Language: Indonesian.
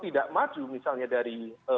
tidak maju misalnya dari